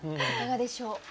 いかがでしょう？